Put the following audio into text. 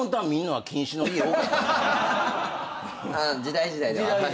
時代時代ではい。